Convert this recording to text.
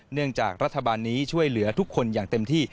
เนื่องจากรัฐบาลนี้ช่วยเหลือทุกคนอย่างเต็มที่